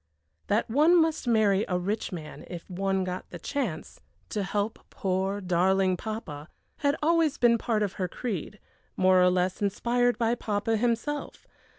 That one must marry a rich man if one got the chance, to help poor, darling papa, had always been part of her creed, more or less inspired by papa himself.